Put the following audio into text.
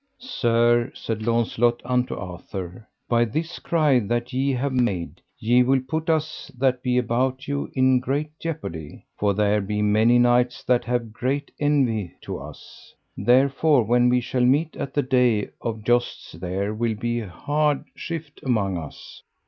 Sir, said Launcelot unto Arthur, by this cry that ye have made ye will put us that be about you in great jeopardy, for there be many knights that have great envy to us; therefore when we shall meet at the day of jousts there will be hard shift among us.